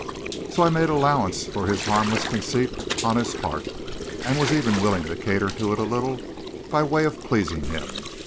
So I made allowance for this harmless conceit on his part, and was even willing to cater to it a little by way of pleasing him.